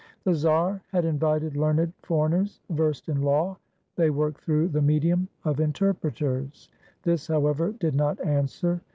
The czar had invited learned foreigners "versed in law." They worked through the medium of interpreters. This, however, did not answer.